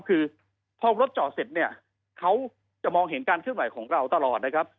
คือพอรถจอดเสร็จเนี่ยเขาจะมองเห็นการเคลื่อนไหวของเราตลอดนะครับ